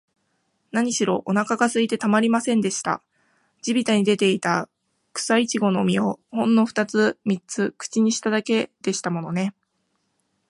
なにしろ、おなかがすいてたまりませんでした。地びたに出ていた、くさいちごの実を、ほんのふたつ三つ口にしただけでしたものね。